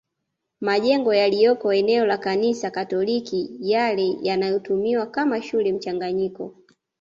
Majengo yaliyoko eneo la Kanisa Katoliki yale yanayotumiwa kama shule mchanganyiko